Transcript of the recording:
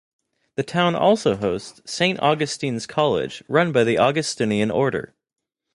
The town also hosts Saint Augustine's College, run by the Augustinian Order.